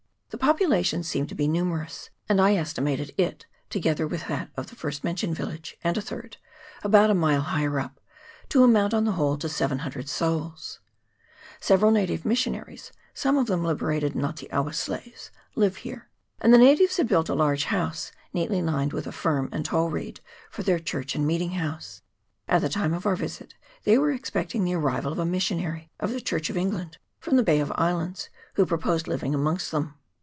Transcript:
The population seemed to be nume^ rous, and I estimated it, together with that of the first mentioned village, and a third, about a mile higher up, to amount, on the whole, to 700 souls. Several native missionaries, some of them liberated Nga te awa slaves, live here ; and the natives had built a large house, neatly lined with a firm and tall reed, for their church and meeting house. At the time of our visit they were expecting the arrival of a missionary of the Church of England from the Bay of Islands, who purposed living amongst them.